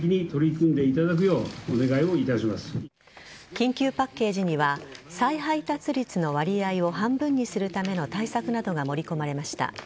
緊急パッケージには再配達率の割合を半分にするための対策などが盛り込まれました。